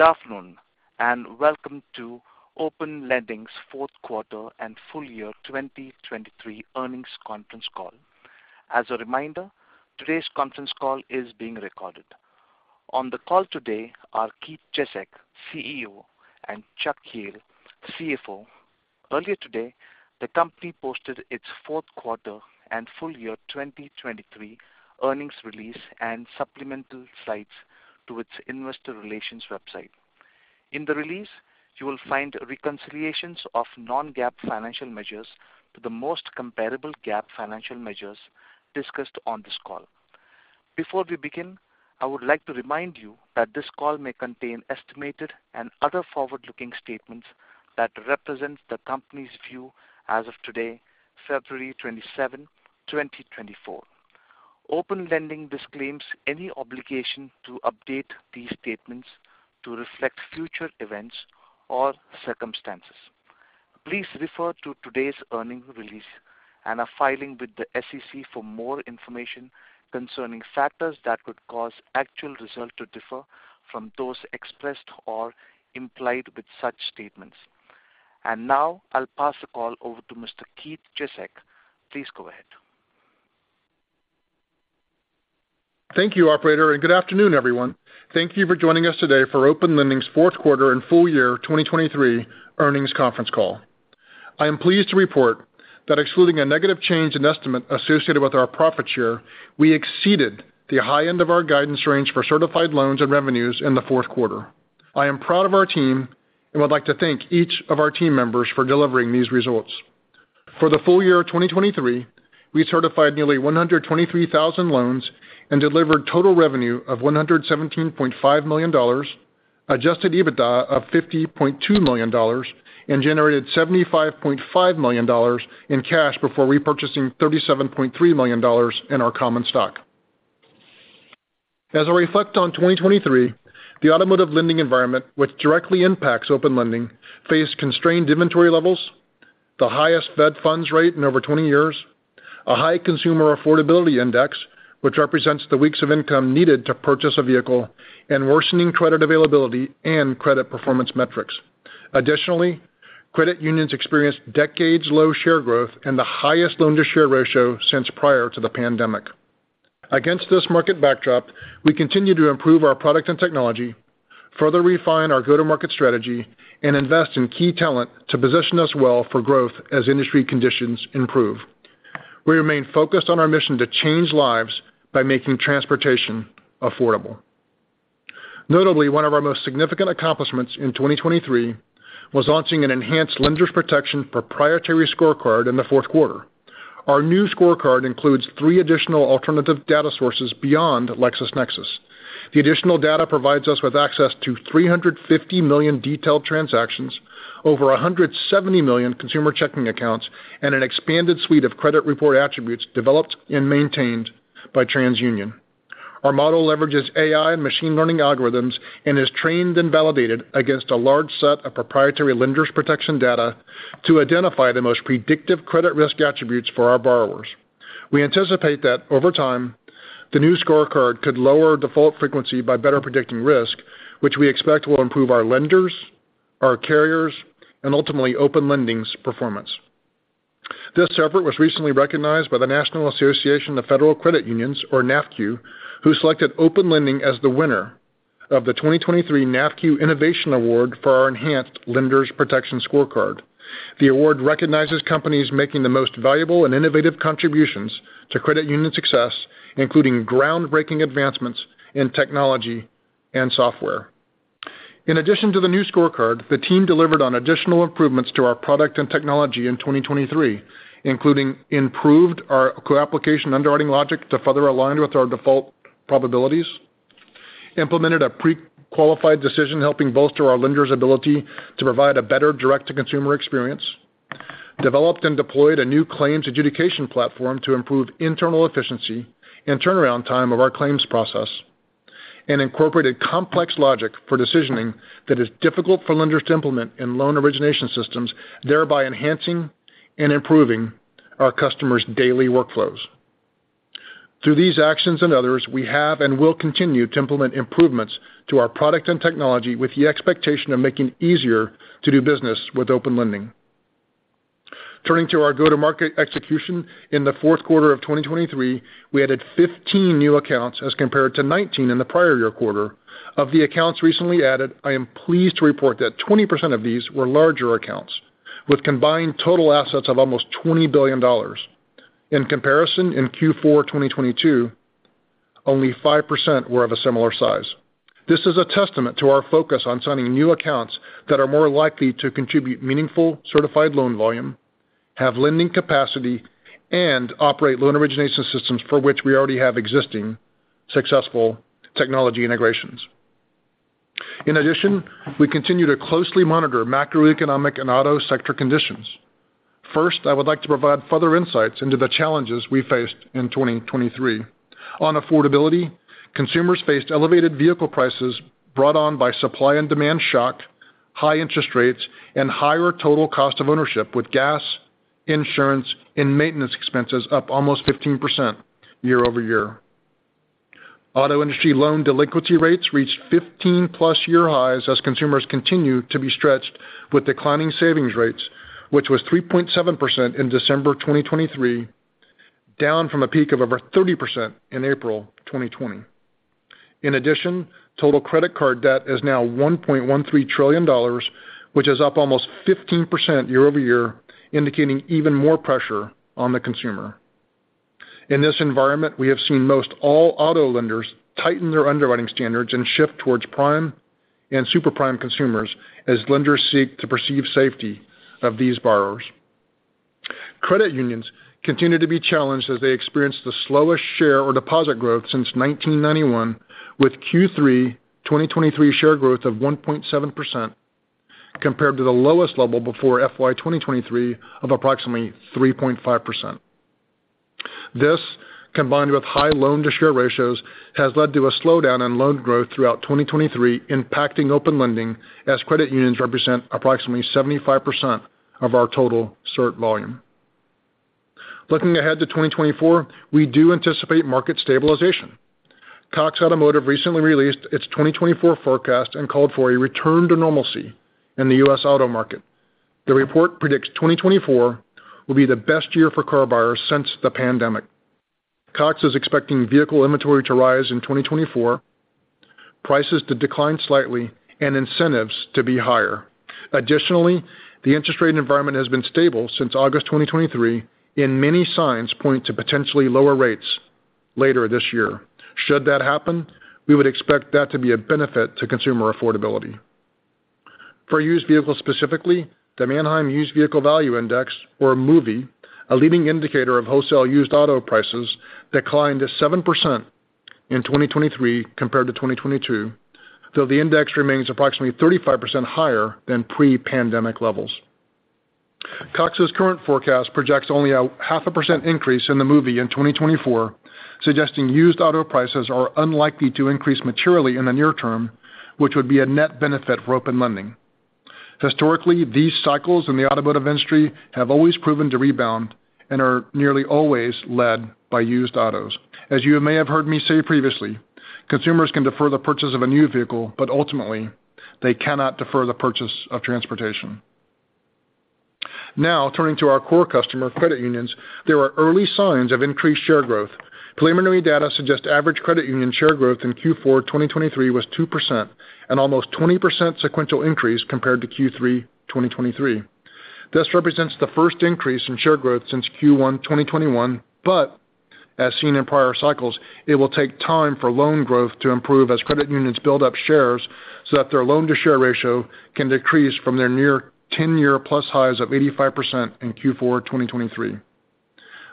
Good afternoon and welcome to Open Lending's fourth quarter and full year 2023 earnings conference call. As a reminder, today's conference call is being recorded. On the call today are Keith Jezek, CEO, and Chuck Jehl, CFO. Earlier today the company posted its fourth quarter and full year 2023 earnings release and supplemental slides to its investor relations website. In the release you will find reconciliations of non-GAAP financial measures to the most comparable GAAP financial measures discussed on this call. Before we begin I would like to remind you that this call may contain estimated and other forward-looking statements that represent the company's view as of today, February 27, 2024. Open Lending disclaims any obligation to update these statements to reflect future events or circumstances. Please refer to today's earnings release and our filing with the SEC for more information concerning factors that could cause actual results to differ from those expressed or implied with such statements. Now I'll pass the call over to Mr. Keith Jezek. Please go ahead. Thank you, operator, and good afternoon, everyone. Thank you for joining us today for Open Lending's fourth quarter and full year 2023 earnings conference call. I am pleased to report that excluding a negative change in estimate associated with our profit share, we exceeded the high end of our guidance range for certified loans and revenues in the fourth quarter. I am proud of our team and would like to thank each of our team members for delivering these results. For the full year 2023, we certified nearly 123,000 loans and delivered total revenue of $117.5 million, adjusted EBITDA of $50.2 million, and generated $75.5 million in cash before repurchasing $37.3 million in our common stock. As I reflect on 2023, the automotive lending environment which directly impacts Open Lending faced constrained inventory levels, the highest Fed Funds Rate in over 20 years, a high consumer affordability index which represents the weeks of income needed to purchase a vehicle, and worsening credit availability and credit performance metrics. Additionally, credit unions experienced decades-low share growth and the highest loan-to-share ratio since prior to the pandemic. Against this market backdrop, we continue to improve our product and technology, further refine our go-to-market strategy, and invest in key talent to position us well for growth as industry conditions improve. We remain focused on our mission to change lives by making transportation affordable. Notably, one of our most significant accomplishments in 2023 was launching an enhanced Lenders Protection proprietary scorecard in the fourth quarter. Our new scorecard includes three additional alternative data sources beyond LexisNexis. The additional data provides us with access to 350 million detailed transactions, over 170 million consumer checking accounts, and an expanded suite of credit report attributes developed and maintained by TransUnion. Our model leverages AI and machine learning algorithms and is trained and validated against a large set of proprietary Lenders Protection data to identify the most predictive credit risk attributes for our borrowers. We anticipate that over time the new scorecard could lower default frequency by better predicting risk which we expect will improve our lenders, our carriers, and ultimately Open Lending's performance. This effort was recently recognized by the National Association of Federally-Insured Credit Unions or NAFCU who selected Open Lending as the winner of the 2023 NAFCU Innovation Award for our enhanced Lenders Protection scorecard. The award recognizes companies making the most valuable and innovative contributions to credit union success including groundbreaking advancements in technology and software. In addition to the new scorecard, the team delivered on additional improvements to our product and technology in 2023, including improved our co-application underwriting logic to further align with our default probabilities, implemented a pre-qualified decision helping bolster our lenders' ability to provide a better direct-to-consumer experience, developed and deployed a new claims adjudication platform to improve internal efficiency and turnaround time of our claims process, and incorporated complex logic for decisioning that is difficult for lenders to implement in loan origination systems, thereby enhancing and improving our customers' daily workflows. Through these actions and others, we have and will continue to implement improvements to our product and technology with the expectation of making it easier to do business with Open Lending. Turning to our go-to-market execution in the fourth quarter of 2023, we added 15 new accounts as compared to 19 in the prior year quarter. Of the accounts recently added, I am pleased to report that 20% of these were larger accounts with combined total assets of almost $20 billion. In comparison, in Q4 2022 only 5% were of a similar size. This is a testament to our focus on signing new accounts that are more likely to contribute meaningful certified loan volume, have lending capacity, and operate loan origination systems for which we already have existing, successful technology integrations. In addition, we continue to closely monitor macroeconomic and auto sector conditions. First, I would like to provide further insights into the challenges we faced in 2023. On affordability, consumers faced elevated vehicle prices brought on by supply and demand shock, high interest rates, and higher total cost of ownership with gas, insurance, and maintenance expenses up almost 15% year-over-year. Auto industry loan delinquency rates reached 15+ year highs as consumers continue to be stretched with declining savings rates which was 3.7% in December 2023 down from a peak of over 30% in April 2020. In addition total credit card debt is now $1.13 trillion which is up almost 15% year-over-year indicating even more pressure on the consumer. In this environment we have seen most all auto lenders tighten their underwriting standards and shift towards prime and super prime consumers as lenders seek to perceive safety of these borrowers. Credit unions continue to be challenged as they experience the slowest share or deposit growth since 1991 with Q3 2023 share growth of 1.7% compared to the lowest level before FY 2023 of approximately 3.5%. This combined with high loan-to-share ratios has led to a slowdown in loan growth throughout 2023, impacting Open Lending as credit unions represent approximately 75% of our total cert volume. Looking ahead to 2024, we do anticipate market stabilization. Cox Automotive recently released its 2024 forecast and called for a return to normalcy in the U.S. auto market. The report predicts 2024 will be the best year for car buyers since the pandemic. Cox is expecting vehicle inventory to rise in 2024, prices to decline slightly, and incentives to be higher. Additionally, the interest rate environment has been stable since August 2023 and many signs point to potentially lower rates later this year. Should that happen, we would expect that to be a benefit to consumer affordability. For used vehicles, specifically, the Manheim Used Vehicle Value Index, or MUVVI, a leading indicator of wholesale used auto prices, declined 7% in 2023 compared to 2022, though the index remains approximately 35% higher than pre-pandemic levels. Cox's current forecast projects only a 0.5% increase in the MUVVI in 2024, suggesting used auto prices are unlikely to increase materially in the near term, which would be a net benefit for Open Lending. Historically, these cycles in the automotive industry have always proven to rebound and are nearly always led by used autos. As you may have heard me say previously, consumers can defer the purchase of a new vehicle, but ultimately they cannot defer the purchase of transportation. Now, turning to our core customer, credit unions, there are early signs of increased share growth. Preliminary data suggest average credit union share growth in Q4 2023 was 2%, an almost 20% sequential increase compared to Q3 2023. This represents the first increase in share growth since Q1 2021, but as seen in prior cycles it will take time for loan growth to improve as credit unions build up shares so that their loan-to-share ratio can decrease from their near 10-year-plus highs of 85% in Q4 2023.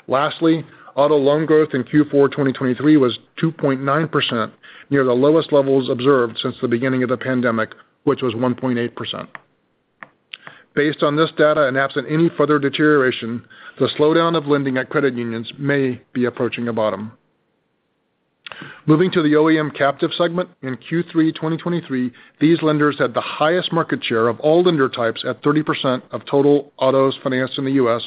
Lastly, auto loan growth in Q4 2023 was 2.9%, near the lowest levels observed since the beginning of the pandemic, which was 1.8%. Based on this data and absent any further deterioration, the slowdown of lending at credit unions may be approaching a bottom. Moving to the OEM captive segment in Q3 2023, these lenders had the highest market share of all lender types at 30% of total autos financed in the U.S.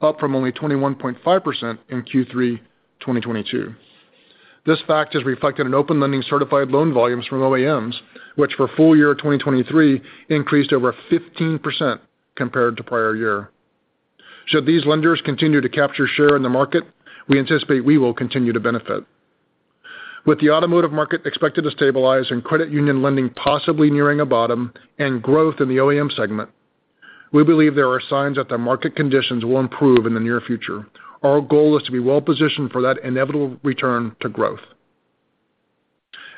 up from only 21.5% in Q3 2022. This fact is reflected in Open Lending certified loan volumes from OEMs, which for full year 2023 increased over 15% compared to prior year. Should these lenders continue to capture share in the market, we anticipate we will continue to benefit. With the automotive market expected to stabilize and credit union lending possibly nearing a bottom and growth in the OEM segment, we believe there are signs that the market conditions will improve in the near future. Our goal is to be well positioned for that inevitable return to growth.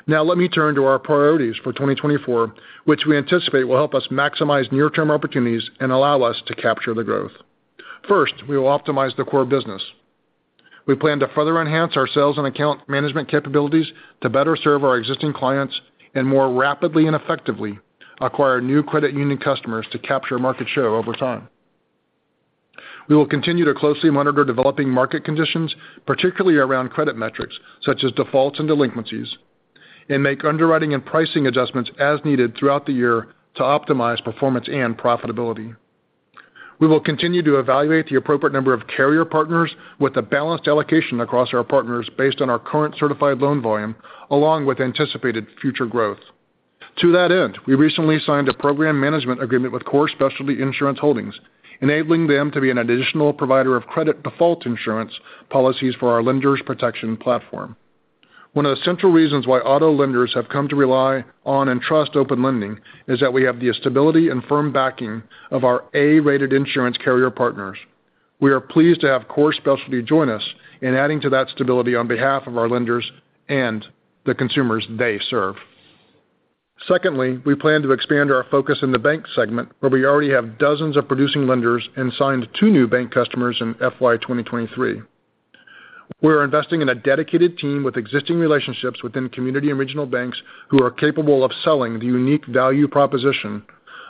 Now let me turn to our priorities for 2024 which we anticipate will help us maximize near-term opportunities and allow us to capture the growth. First we will optimize the core business. We plan to further enhance our sales and account management capabilities to better serve our existing clients and more rapidly and effectively acquire new credit union customers to capture market share over time. We will continue to closely monitor developing market conditions particularly around credit metrics such as defaults and delinquencies and make underwriting and pricing adjustments as needed throughout the year to optimize performance and profitability. We will continue to evaluate the appropriate number of carrier partners with a balanced allocation across our partners based on our current certified loan volume along with anticipated future growth. To that end we recently signed a program management agreement with Core Specialty Insurance Holdings enabling them to be an additional provider of credit default insurance policies for our Lenders Protection platform. One of the central reasons why auto lenders have come to rely on and trust Open Lending is that we have the stability and firm backing of our A-rated insurance carrier partners. We are pleased to have Core Specialty join us in adding to that stability on behalf of our lenders and the consumers they serve. Secondly we plan to expand our focus in the bank segment where we already have dozens of producing lenders and signed two new bank customers in FY 2023. We are investing in a dedicated team with existing relationships within community and regional banks who are capable of selling the unique value proposition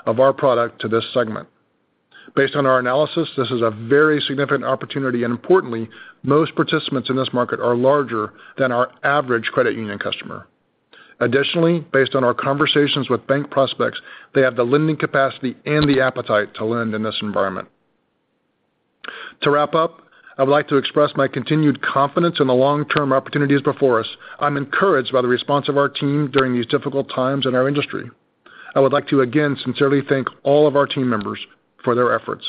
of our product to this segment. Based on our analysis, this is a very significant opportunity, and importantly, most participants in this market are larger than our average credit union customer. Additionally, based on our conversations with bank prospects, they have the lending capacity and the appetite to lend in this environment. To wrap up, I would like to express my continued confidence in the long-term opportunities before us. I'm encouraged by the response of our team during these difficult times in our industry. I would like to again sincerely thank all of our team members for their efforts.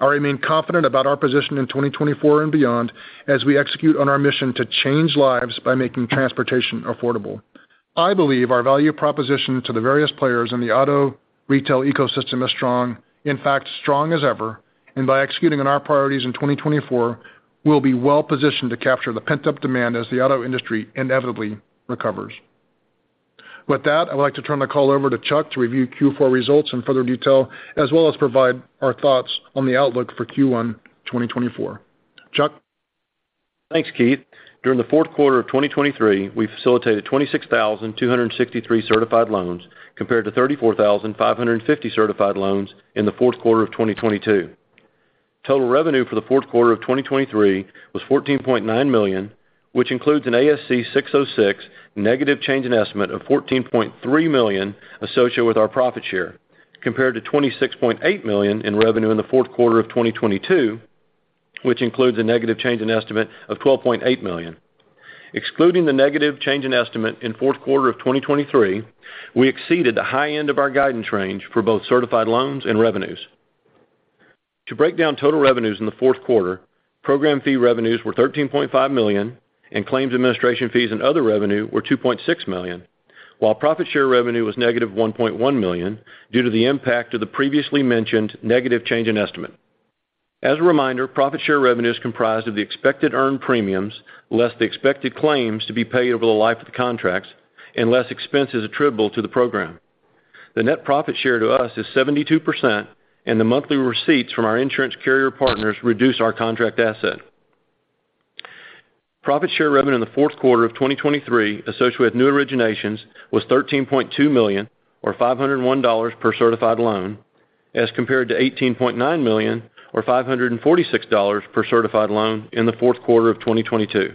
I remain confident about our position in 2024 and beyond as we execute on our mission to change lives by making transportation affordable. I believe our value proposition to the various players in the auto retail ecosystem is strong, in fact strong as ever, and by executing on our priorities in 2024 we'll be well positioned to capture the pent-up demand as the auto industry inevitably recovers. With that, I would like to turn the call over to Chuck to review Q4 results in further detail as well as provide our thoughts on the outlook for Q1 2024. Chuck? Thanks Keith. During the fourth quarter of 2023 we facilitated 26,263 Certified Loans compared to 34,550 Certified Loans in the fourth quarter of 2022. Total revenue for the fourth quarter of 2023 was $14.9 million, which includes an ASC 606 negative change in estimate of $14.3 million associated with our profit share compared to $26.8 million in revenue in the fourth quarter of 2022, which includes a negative change in estimate of $12.8 million. Excluding the negative change in estimate in fourth quarter of 2023, we exceeded the high end of our guidance range for both certified loans and revenues. To break down total revenues in the fourth quarter, program fee revenues were $13.5 million and claims administration fees and other revenue were $2.6 million, while profit share revenue was negative $1.1 million due to the impact of the previously mentioned negative change in estimate. As a reminder, profit share revenue is comprised of the expected earned premiums less the expected claims to be paid over the life of the contracts and less expenses attributable to the program. The net profit share to us is 72% and the monthly receipts from our insurance carrier partners reduce our contract asset. Profit share revenue in the fourth quarter of 2023 associated with new originations was $13.2 million or $501 per certified loan as compared to $18.9 million or $546 per certified loan in the fourth quarter of 2022.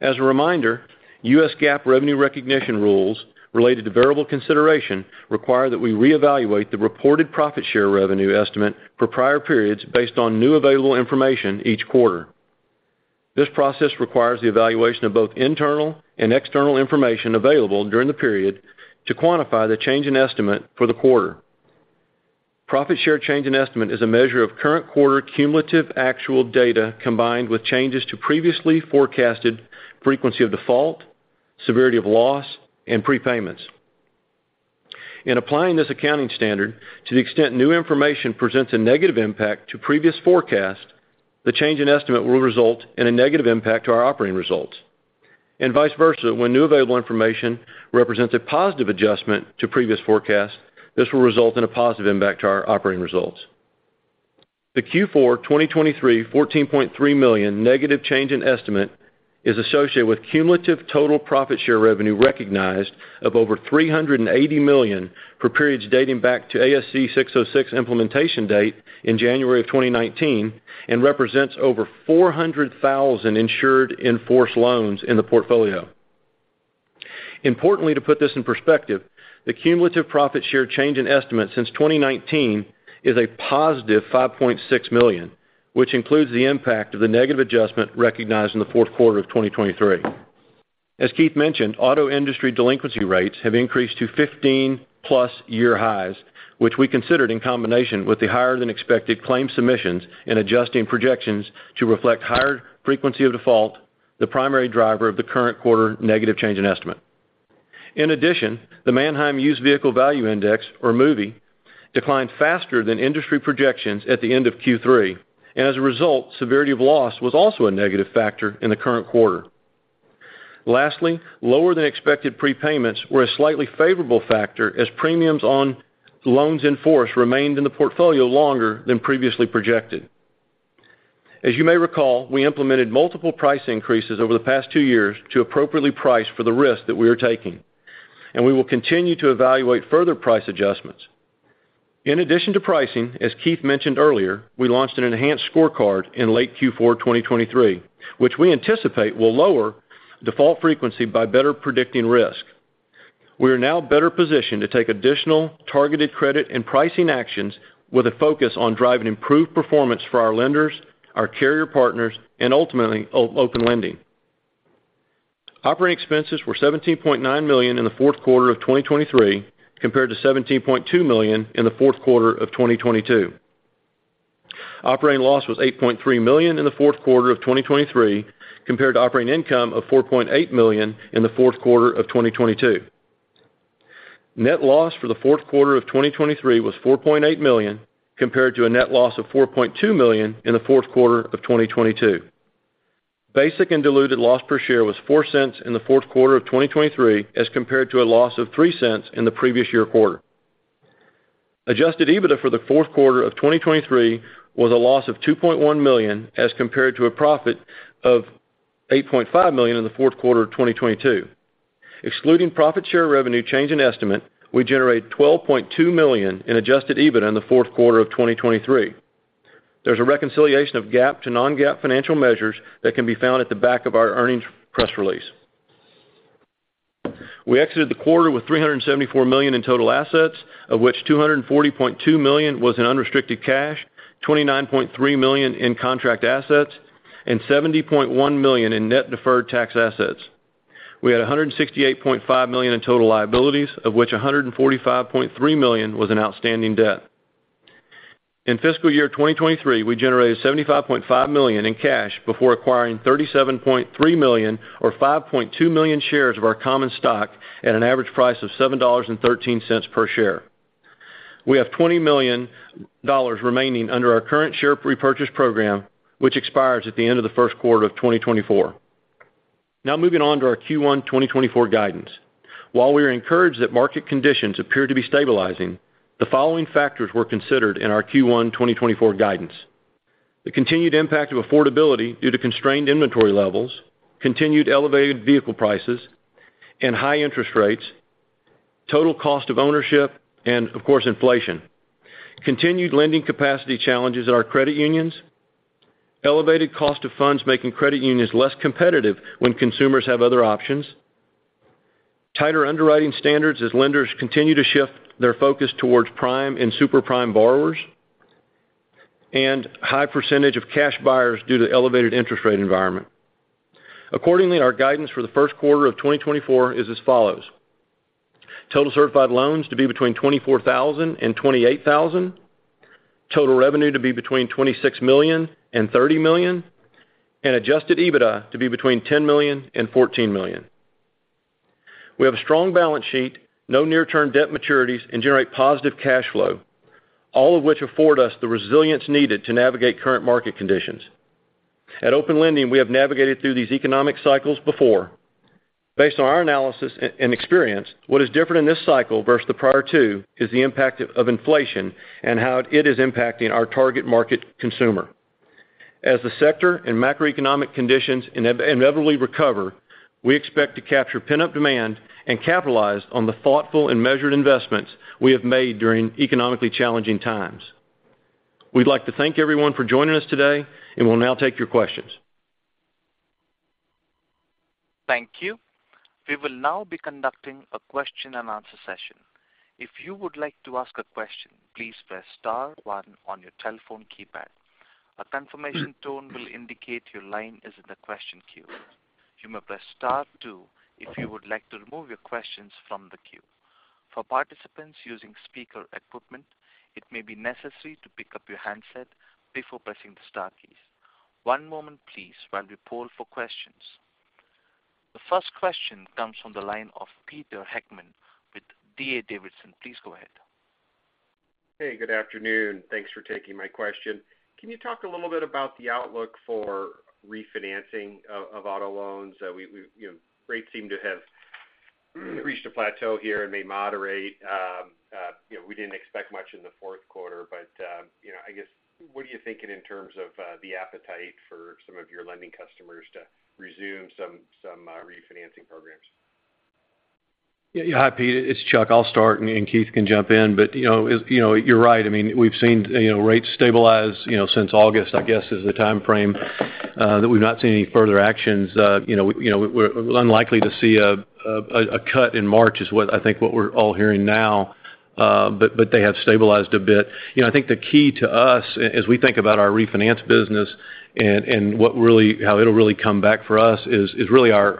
As a reminder U.S. GAAP revenue recognition rules related to variable consideration require that we reevaluate the reported profit share revenue estimate for prior periods based on new available information each quarter. This process requires the evaluation of both internal and external information available during the period to quantify the change in estimate for the quarter. Profit share change in estimate is a measure of current quarter cumulative actual data combined with changes to previously forecasted frequency of default, severity of loss, and prepayments. In applying this accounting standard to the extent new information presents a negative impact to previous forecast, the change in estimate will result in a negative impact to our operating results. And vice versa, when new available information represents a positive adjustment to previous forecast, this will result in a positive impact to our operating results. The Q4 2023 $14.3 million negative change in estimate is associated with cumulative total profit share revenue recognized of over $380 million for periods dating back to ASC 606 implementation date in January of 2019 and represents over 400,000 insured enforced loans in the portfolio. Importantly, to put this in perspective, the cumulative profit share change in estimate since 2019 is a positive $5.6 million, which includes the impact of the negative adjustment recognized in the fourth quarter of 2023. As Keith mentioned, auto industry delinquency rates have increased to 15+ year highs, which we considered in combination with the higher than expected claim submissions and adjusting projections to reflect higher frequency of default, the primary driver of the current quarter negative change in estimate. In addition, the Manheim Used Vehicle Value Index or MUVVI declined faster than industry projections at the end of Q3, and as a result severity of loss was also a negative factor in the current quarter. Lastly, lower than expected prepayments were a slightly favorable factor as premiums on loans enforced remained in the portfolio longer than previously projected. As you may recall, we implemented multiple price increases over the past two years to appropriately price for the risk that we are taking, and we will continue to evaluate further price adjustments. In addition to pricing, as Keith mentioned earlier, we launched an enhanced scorecard in late Q4 2023, which we anticipate will lower default frequency by better predicting risk. We are now better positioned to take additional targeted credit and pricing actions with a focus on driving improved performance for our lenders, our carrier partners, and ultimately Open Lending. Operating expenses were $17.9 million in the fourth quarter of 2023 compared to $17.2 million in the fourth quarter of 2022. Operating loss was $8.3 million in the fourth quarter of 2023 compared to operating income of $4.8 million in the fourth quarter of 2022. Net loss for the fourth quarter of 2023 was $4.8 million compared to a net loss of $4.2 million in the fourth quarter of 2022. Basic and diluted loss per share was $0.04 in the fourth quarter of 2023 as compared to a loss of $0.03 in the previous year quarter. Adjusted EBITDA for the fourth quarter of 2023 was a loss of $2.1 million as compared to a profit of $8.5 million in the fourth quarter of 2022. Excluding profit share revenue change in estimate, we generate $12.2 million in adjusted EBITDA in the fourth quarter of 2023. There's a reconciliation of GAAP to non-GAAP financial measures that can be found at the back of our earnings press release. We exited the quarter with $374 million in total assets of which $240.2 million was in unrestricted cash, $29.3 million in contract assets, and $70.1 million in net deferred tax assets. We had $168.5 million in total liabilities of which $145.3 million was in outstanding debt. In fiscal year 2023 we generated $75.5 million in cash before acquiring $37.3 million, or 5.2 million shares of our common stock at an average price of $7.13 per share. We have $20 million remaining under our current share repurchase program which expires at the end of the first quarter of 2024. Now moving on to our Q1 2024 guidance. While we are encouraged that market conditions appear to be stabilizing, the following factors were considered in our Q1 2024 guidance: the continued impact of affordability due to constrained inventory levels, continued elevated vehicle prices, and high interest rates, total cost of ownership, and of course inflation, continued lending capacity challenges at our credit unions, elevated cost of funds making credit unions less competitive when consumers have other options, tighter underwriting standards as lenders continue to shift their focus towards prime and super prime borrowers, and high percentage of cash buyers due to elevated interest rate environment. Accordingly, our guidance for the first quarter of 2024 is as follows: total certified loans to be between 24,000 and 28,000, total revenue to be between $26 million and $30 million, and Adjusted EBITDA to be between $10 million and $14 million. We have a strong balance sheet, no near-term debt maturities, and generate positive cash flow, all of which afford us the resilience needed to navigate current market conditions. At Open Lending, we have navigated through these economic cycles before. Based on our analysis and experience, what is different in this cycle versus the prior two is the impact of inflation and how it is impacting our target market consumer. As the sector and macroeconomic conditions inevitably recover, we expect to capture pent-up demand and capitalize on the thoughtful and measured investments we have made during economically challenging times. We'd like to thank everyone for joining us today, and we'll now take your questions. Thank you. We will now be conducting a question and answer session. If you would like to ask a question please press star one on your telephone keypad. A confirmation tone will indicate your line is in the question queue. You may press star two if you would like to remove your questions from the queue. For participants using speaker equipment it may be necessary to pick up your handset before pressing the star keys. One moment please while we poll for questions. The first question comes from the line of Peter Heckmann with D.A. Davidson. Please go ahead. Hey, good afternoon. Thanks for taking my question. Can you talk a little bit about the outlook for refinancing of auto loans? Rates seem to have reached a plateau here and may moderate. We didn't expect much in the fourth quarter, but I guess what are you thinking in terms of the appetite for some of your lending customers to resume some refinancing programs? Yeah, hi Peter. It's Chuck. I'll start and Keith can jump in, but you're right. I mean, we've seen rates stabilize since August. I guess is the time frame that we've not seen any further actions. We're unlikely to see a cut in March is I think what we're all hearing now, but they have stabilized a bit. I think the key to us as we think about our refinance business and how it'll really come back for us is really our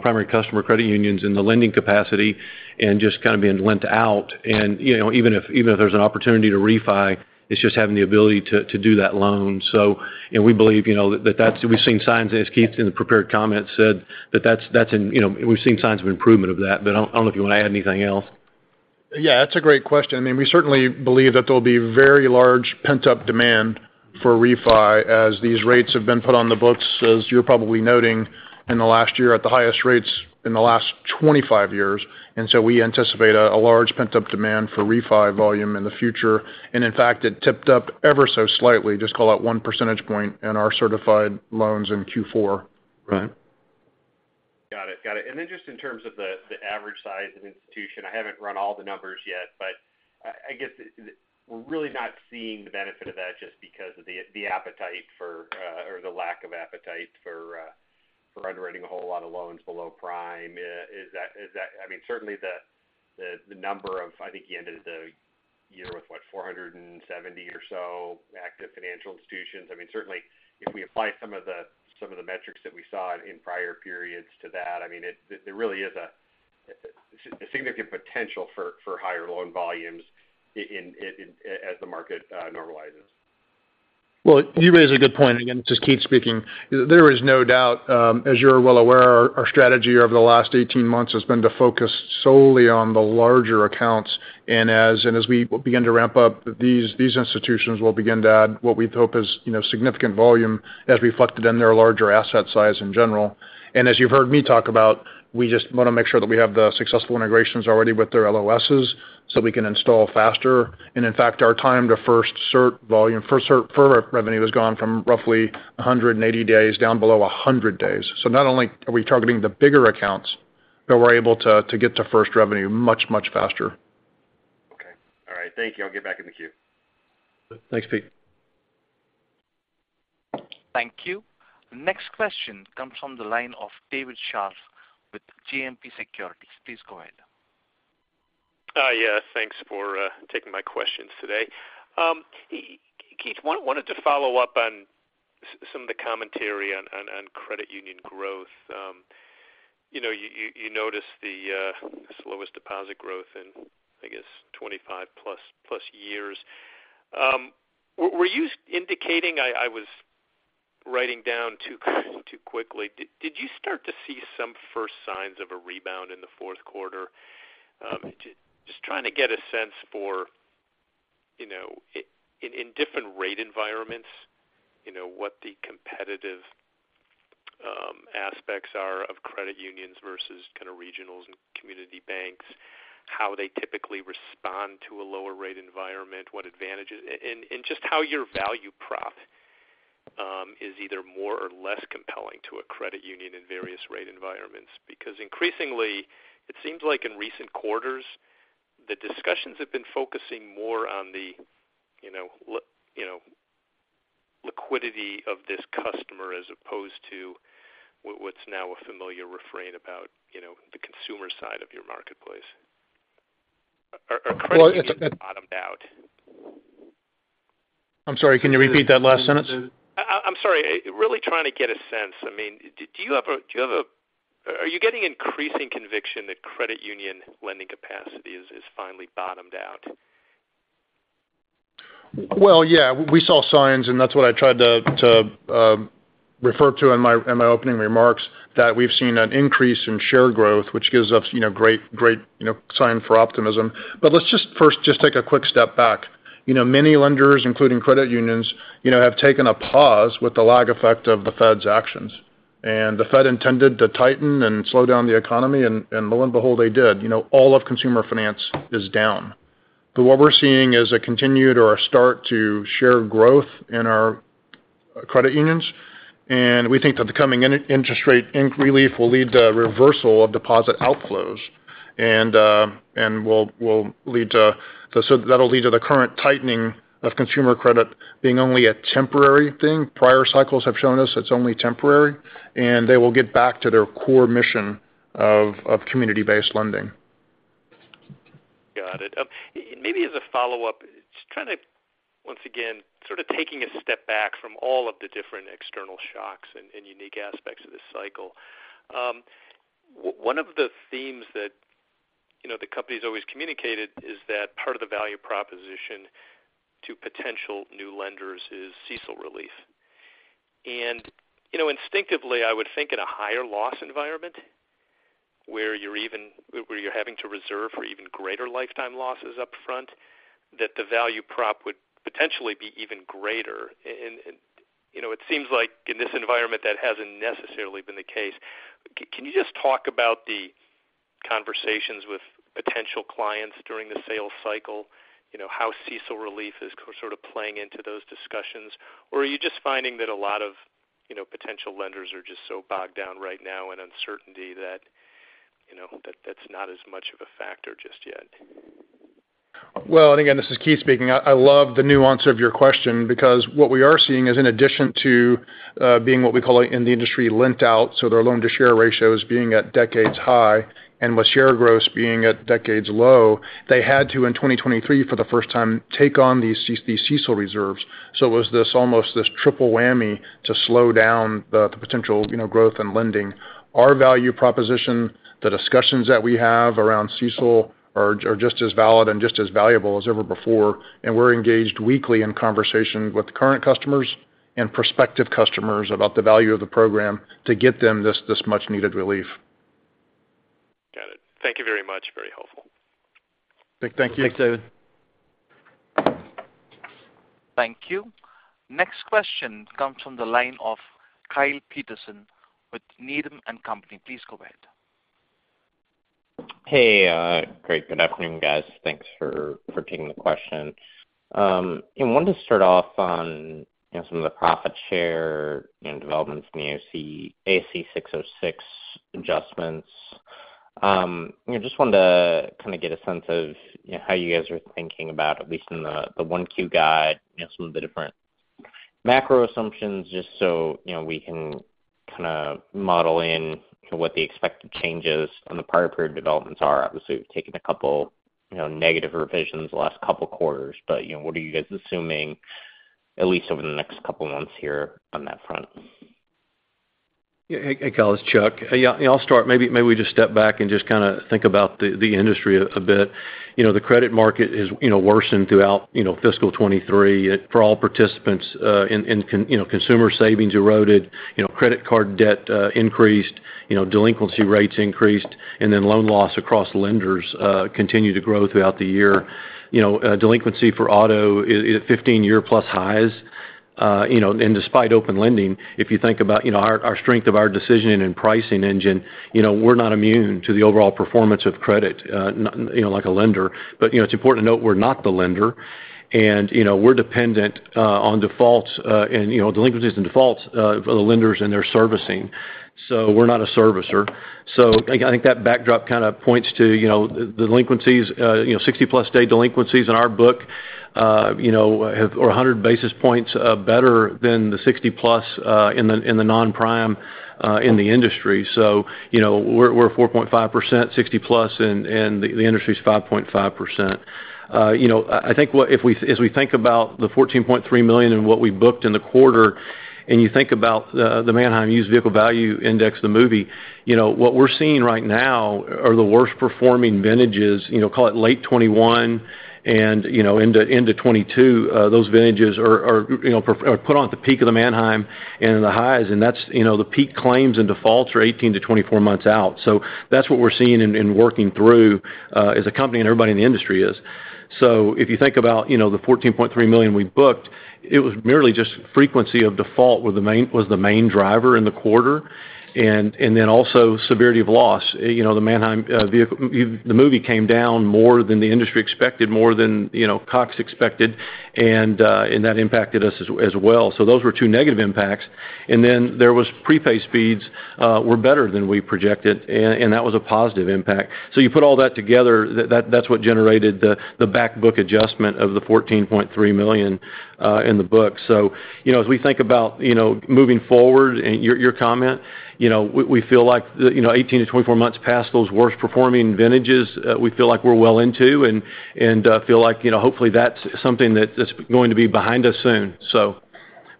primary customer credit unions and the lending capacity and just kind of being lent out. And even if there's an opportunity to refi, it's just having the ability to do that loan. So we believe that that's we've seen signs as Keith in the prepared comments said that that's in we've seen signs of improvement of that, but I don't know if you want to add anything else. Yeah that's a great question. I mean we certainly believe that there'll be very large pent-up demand for refi as these rates have been put on the books as you're probably noting in the last year at the highest rates in the last 25 years. And so we anticipate a large pent-up demand for refi volume in the future and in fact it tipped up ever so slightly just call it one percentage point in our Certified Loans in Q4. Right. Got it. Got it. And then just in terms of the average size of institution, I haven't run all the numbers yet, but I guess we're really not seeing the benefit of that just because of the appetite for or the lack of appetite for underwriting a whole lot of loans below prime. Is that—I mean, certainly the number of—I think you ended the year with what, 470 or so active financial institutions. I mean, certainly if we apply some of the metrics that we saw in prior periods to that, I mean there really is a significant potential for higher loan volumes as the market normalizes. Well, you raise a good point. Again, just Keith speaking, there is no doubt as you're well aware our strategy over the last 18 months has been to focus solely on the larger accounts, and as we begin to ramp up these institutions will begin to add what we hope is significant volume as reflected in their larger asset size in general. And as you've heard me talk about, we just want to make sure that we have the successful integrations already with their LOSs so we can install faster. And in fact, our time to first cert volume, first cert further revenue, has gone from roughly 180 days down below 100 days. So not only are we targeting the bigger accounts but we're able to get to first revenue much, much faster. Okay. All right. Thank you. I'll get back in the queue. Thanks Pete. Thank you. Next question comes from the line of David Scharf with JMP Securities. Please go ahead. Yeah, thanks for taking my questions today. Keith wanted to follow up on some of the commentary on credit union growth. You notice the slowest deposit growth in, I guess, 25+ years. Were you indicating I was writing down too quickly? Did you start to see some first signs of a rebound in the fourth quarter? Just trying to get a sense for, in different rate environments, what the competitive aspects are of credit unions versus kind of regionals and community banks, how they typically respond to a lower rate environment, what advantages, and just how your value prop is either more or less compelling to a credit union in various rate environments. Because increasingly it seems like in recent quarters the discussions have been focusing more on the liquidity of this customer as opposed to what's now a familiar refrain about the consumer side of your marketplace. Are credit unions bottomed out? I'm sorry, can you repeat that last sentence? I'm sorry. Really trying to get a sense. I mean, do you have a, do you have a, are you getting increasing conviction that credit union lending capacity is finally bottomed out? Well, yeah, we saw signs and that's what I tried to refer to in my opening remarks that we've seen an increase in share growth which gives us great sign for optimism. But let's just first take a quick step back. Many lenders, including credit unions, have taken a pause with the lag effect of the Fed's actions and the Fed intended to tighten and slow down the economy and lo and behold they did. All of consumer finance is down. But what we're seeing is a continued or a start to share growth in our credit unions and we think that the coming interest rate relief will lead to a reversal of deposit outflows and will lead to the, so that'll lead to the current tightening of consumer credit being only a temporary thing. Prior cycles have shown us it's only temporary and they will get back to their core mission of community-based lending. Got it. Maybe as a follow-up, just trying to once again sort of taking a step back from all of the different external shocks and unique aspects of this cycle. One of the themes that the company's always communicated is that part of the value proposition to potential new lenders is CECL relief. And instinctively I would think in a higher loss environment where you're having to reserve for even greater lifetime losses upfront that the value prop would potentially be even greater. And it seems like in this environment that hasn't necessarily been the case. Can you just talk about the conversations with potential clients during the sales cycle? How CECL relief is sort of playing into those discussions or are you just finding that a lot of potential lenders are just so bogged down right now in uncertainty that that's not as much of a factor just yet? Well, and again, this is Keith speaking. I love the nuance of your question because what we are seeing is, in addition to being what we call in the industry lent out, so their loan-to-share ratio is being at decades high and with share growth being at decades low, they had to in 2023 for the first time take on these CECL reserves. So it was this almost this triple whammy to slow down the potential growth and lending. Our value proposition, the discussions that we have around CECL, are just as valid and just as valuable as ever before, and we're engaged weekly in conversation with current customers and prospective customers about the value of the program to get them this much needed relief. Got it. Thank you very much. Very helpful. Thank you. Thanks David. Thank you. Next question comes from the line of Kyle Peterson with Needham & Company. Please go ahead. Hey, great. Good afternoon, guys. Thanks for taking the question. I wanted to start off on some of the profit share developments in the ASC 606 adjustments. I just wanted to kind of get a sense of how you guys are thinking about at least in the 1Q guide some of the different macro assumptions just so we can kind of model in what the expected changes on the prior period developments are. Obviously we've taken a couple negative revisions the last couple quarters, but what are you guys assuming at least over the next couple months here on that front? Yeah, hey guys. Chuck. I'll start. Maybe we just step back and just kind of think about the industry a bit. The credit market has worsened throughout fiscal 2023. For all participants, consumer savings eroded, credit card debt increased, delinquency rates increased, and then loan loss across lenders continue to grow throughout the year. Delinquency for auto is at 15-year-plus highs. And despite Open Lending, if you think about our strength of our decisioning and pricing engine, we're not immune to the overall performance of credit like a lender. But it's important to note we're not the lender and we're dependent on defaults and delinquencies and defaults of the lenders and their servicing. So we're not a servicer. So I think that backdrop kind of points to 60+ day delinquencies in our book are 100 basis points better than the 60+ in the non-prime in the industry. So we're 4.5% 60+ and the industry's 5.5%. I think if we think about the $14.3 million and what we booked in the quarter and you think about the Manheim Used Vehicle Value Index, the MUVVI, what we're seeing right now are the worst performing vintages. Call it late 2021 and end of 2022; those vintages are put on at the peak of the Manheim and the highs, and that's the peak claims and defaults are 18-24 months out. So that's what we're seeing in working through as a company and everybody in the industry is. So if you think about the $14.3 million we booked, it was merely just frequency of default was the main driver in the quarter and then also severity of loss. The Manheim Used Vehicle Value Index came down more than the industry expected, more than Cox expected, and that impacted us as well. So those were two negative impacts. And then there was prepay speeds were better than we projected and that was a positive impact. So you put all that together that's what generated the backbook adjustment of the $14.3 million in the book. So as we think about moving forward and your comment we feel like 18-24 months past those worst performing vintages we feel like we're well into and feel like hopefully that's something that's going to be behind us soon.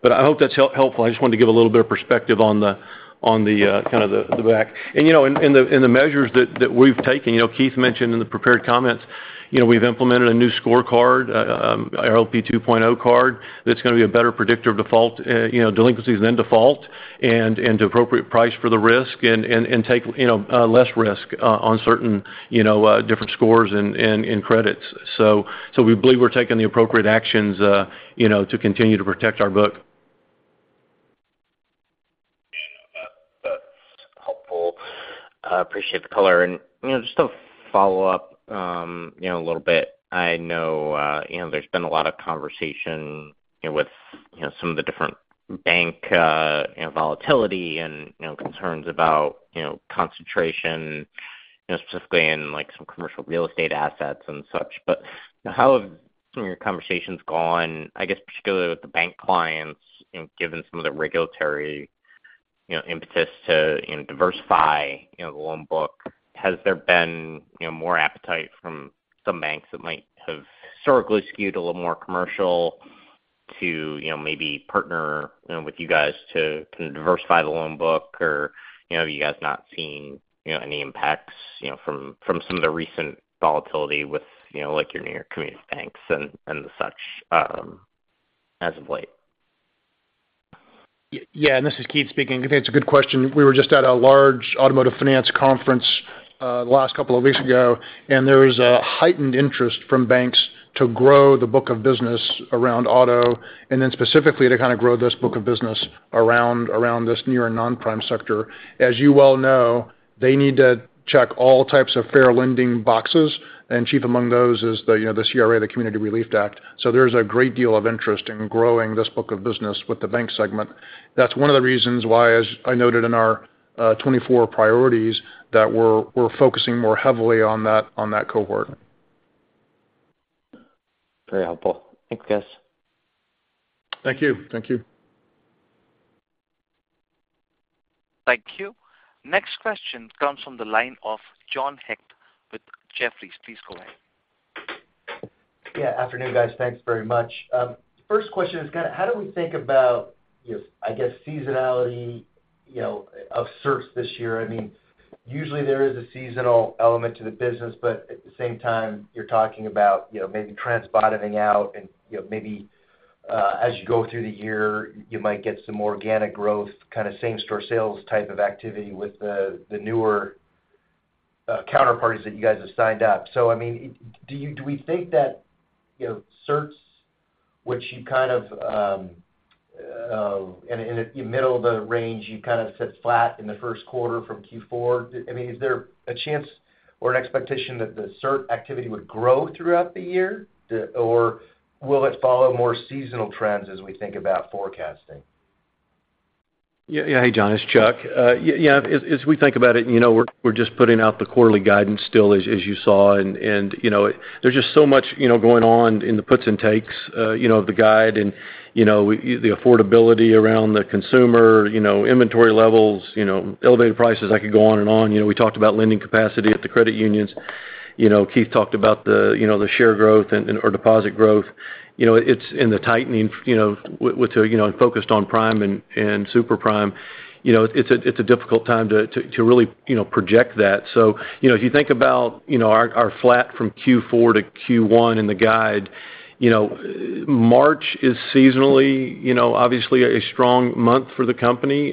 But I hope that's helpful. I just wanted to give a little bit of perspective on the kind of the back. In the measures that we've taken, Keith mentioned in the prepared comments we've implemented a new scorecard our LP 2.0 card that's going to be a better predictor of default delinquencies than default and to appropriate price for the risk and take less risk on certain different scores and credits. So we believe we're taking the appropriate actions to continue to protect our book. That's helpful. I appreciate the color. Just to follow up a little bit, I know there's been a lot of conversation with some of the different bank volatility and concerns about concentration specifically in some commercial real estate assets and such. But how have some of your conversations gone, I guess, particularly with the bank clients given some of the regulatory impetus to diversify the loan book? Has there been more appetite from some banks that might have historically skewed a little more commercial to maybe partner with you guys to diversify the loan book or have you guys not seen any impacts from some of the recent volatility with your near community banks and such as of late? Yeah, and this is Keith speaking. I think it's a good question. We were just at a large automotive finance conference the last couple of weeks ago, and there was a heightened interest from banks to grow the book of business around auto and then specifically to kind of grow this book of business around this near non-prime sector. As you well know, they need to check all types of fair lending boxes, and chief among those is the CRA, the Community Reinvestment Act. So there's a great deal of interest in growing this book of business with the bank segment. That's one of the reasons why, as I noted in our 2024 priorities, that we're focusing more heavily on that cohort. Very helpful. Thanks guys. Thank you. Thank you. Thank you. Next question comes from the line of John Hecht with Jefferies. Please go ahead. Yeah, afternoon, guys. Thanks very much. First question is kind of how do we think about—I guess—seasonality of certs this year? I mean usually there is a seasonal element to the business but at the same time you're talking about maybe trends bottoming out and maybe as you go through the year you might get some organic growth kind of same-store sales type of activity with the newer counterparties that you guys have signed up. So I mean do we think that certs, which you kind of in the middle of the range you kind of set, flat in the first quarter from Q4? I mean is there a chance or an expectation that the cert activity would grow throughout the year or will it follow more seasonal trends as we think about forecasting? Yeah, hey John. It's Chuck. Yeah, as we think about it, we're just putting out the quarterly guidance still, as you saw, and there's just so much going on in the puts and takes of the guide and the affordability around the consumer, inventory levels, elevated prices. I could go on and on. We talked about lending capacity at the credit unions. Keith talked about the share growth or deposit growth. It's in the tightening with focused on prime and super prime. It's a difficult time to really project that. So if you think about our flat from Q4 to Q1 in the guide, March is seasonally obviously a strong month for the company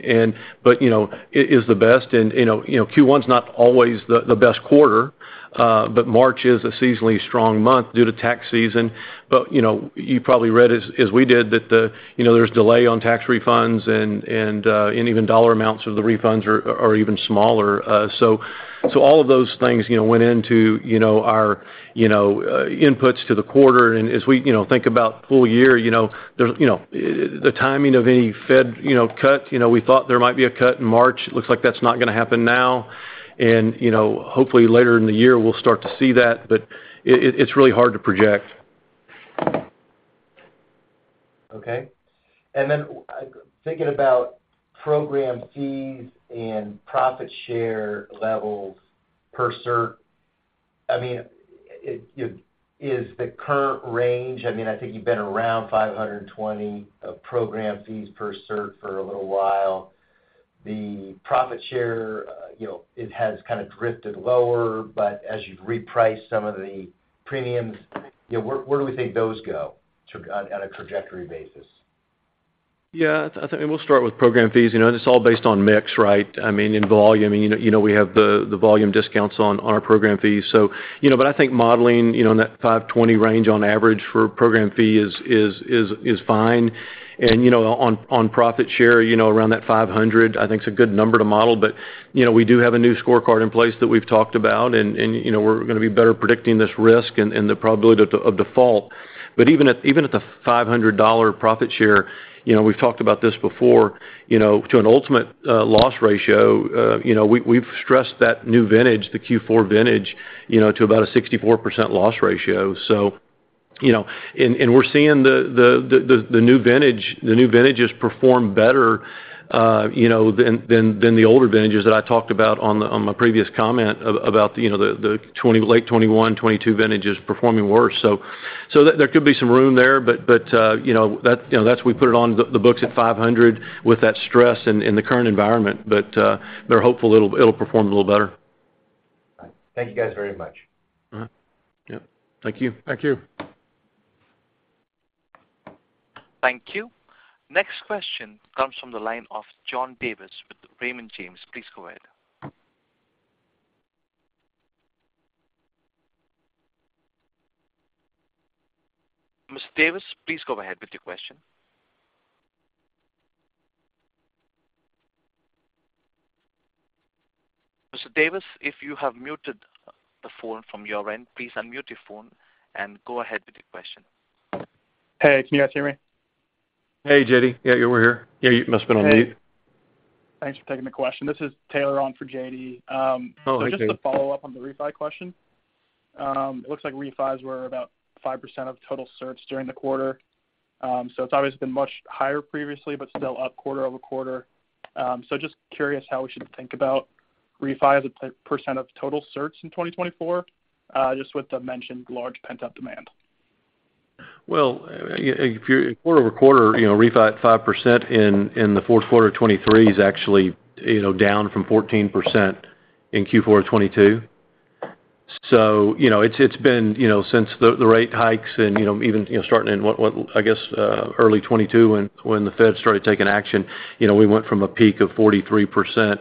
but is the best. And Q1's not always the best quarter but March is a seasonally strong month due to tax season. But you probably read as we did that there's delay on tax refunds and even dollar amounts of the refunds are even smaller. So all of those things went into our inputs to the quarter and as we think about full year the timing of any Fed cut we thought there might be a cut in March. Looks like that's not going to happen now and hopefully later in the year we'll start to see that but it's really hard to project. Okay. And then thinking about program fees and profit share levels per cert, I mean, is the current range—I mean, I think you've been around $520 of program fees per cert for a little while. The profit share has kind of drifted lower, but as you've repriced some of the premiums, where do we think those go on a trajectory basis? Yeah, I think we'll start with program fees. It's all based on mix, right? I mean in volume. We have the volume discounts on our program fees. But I think modeling in that $520 range on average for program fee is fine. And on profit share around that $500 I think's a good number to model but we do have a new scorecard in place that we've talked about and we're going to be better predicting this risk and the probability of default. But even at the $500 profit share we've talked about this before to an ultimate loss ratio we've stressed that new vintage, the Q4 vintage, to about a 64% loss ratio. And we're seeing the new vintages perform better than the older vintages that I talked about on my previous comment about the late 2021, 2022 vintages performing worse. There could be some room there, but that's we put it on the books at $500 with that stress in the current environment, but they're hopeful it'll perform a little better. Thank you guys very much. Yeah, thank you. Thank you. Thank you. Next question comes from the line of John Davis with Raymond James. Please go ahead. Mr. Davis, please go ahead with your question. Mr. Davis, if you have muted the phone from your end, please unmute your phone and go ahead with your question. Hey, can you guys hear me? Hey, J.D., yeah, we're here. Yeah, you must have been on mute. Thanks for taking the question. This is Taylor on for JD. So just to follow up on the refi question, it looks like refis were about 5% of total certs during the quarter. So it's obviously been much higher previously but still up quarter-over-quarter. So just curious how we should think about refi as a percent of total certs in 2024 just with the mentioned large pent-up demand. Well, if you're quarter-over-quarter refi at 5% in the fourth quarter of 2023 is actually down from 14% in Q4 of 2022. So it's been since the rate hikes and even starting in what I guess early 2022 when the Fed started taking action we went from a peak of 43%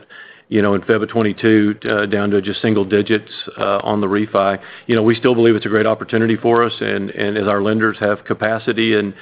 in February 2022 down to just single digits on the refi. We still believe it's a great opportunity for us and as our lenders have capacity and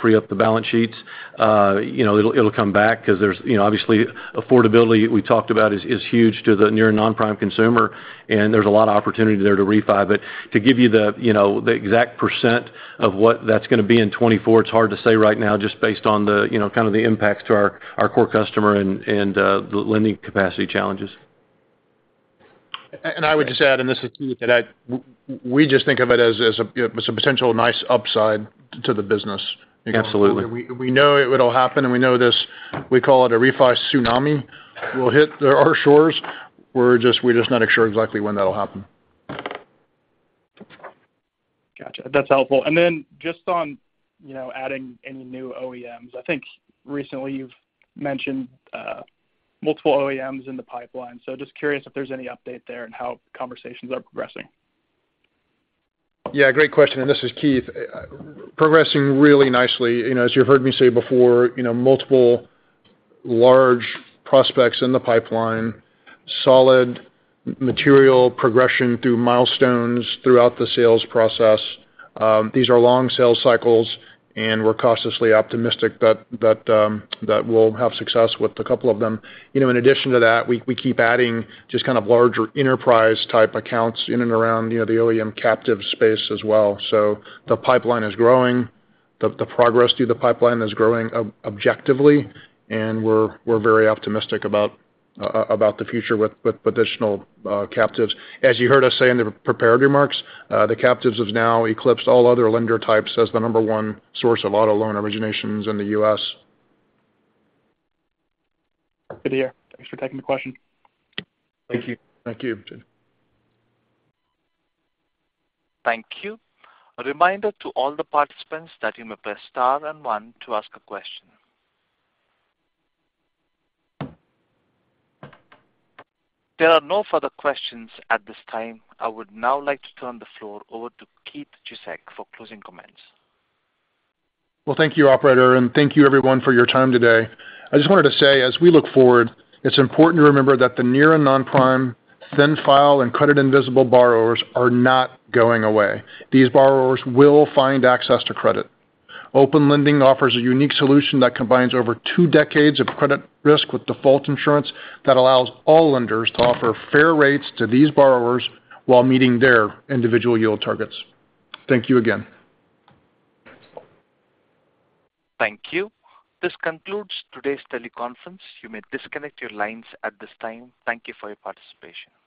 free up the balance sheets it'll come back because there's obviously affordability we talked about is huge to the near non-prime consumer and there's a lot of opportunity there to refi. But to give you the exact percent of what that's going to be in 2024 it's hard to say right now just based on the kind of impacts to our core customer and the lending capacity challenges. I would just add, and this is Keith, that we just think of it as a potential nice upside to the business. Absolutely. We know it'll happen and we know this we call it a refi tsunami will hit our shores. We're just not sure exactly when that'll happen. Gotcha. That's helpful. And then just on adding any new OEMs I think recently you've mentioned multiple OEMs in the pipeline so just curious if there's any update there and how conversations are progressing. Yeah, great question, and this is Keith. Progressing really nicely. As you've heard me say before, multiple large prospects in the pipeline, solid material progression through milestones throughout the sales process. These are long sales cycles, and we're cautiously optimistic that we'll have success with a couple of them. In addition to that, we keep adding just kind of larger enterprise type accounts in and around the OEM captive space as well. So the pipeline is growing. The progress through the pipeline is growing objectively, and we're very optimistic about the future with additional captives. As you heard us say in the prepared remarks, the captives have now eclipsed all other lender types as the number one source of auto loan originations in the U.S. Good to hear. Thanks for taking the question. Thank you. Thank you. Thank you. A reminder to all the participants that you may press star and one to ask a question. There are no further questions at this time. I would now like to turn the floor over to Keith Jezek for closing comments. Well, thank you, operator, and thank you, everyone, for your time today. I just wanted to say, as we look forward, it's important to remember that the near- and non-prime, thin-file, and credit-invisible borrowers are not going away. These borrowers will find access to credit. Open Lending offers a unique solution that combines over two decades of credit risk with default insurance that allows all lenders to offer fair rates to these borrowers while meeting their individual yield targets. Thank you again. Thank you. This concludes today's teleconference. You may disconnect your lines at this time. Thank you for your participation.